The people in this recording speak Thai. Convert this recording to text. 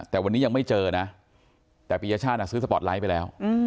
แต่วันนี้ยังไม่เจอนะแต่ปียชาติซื้อสปอร์ตไลท์ไปแล้ว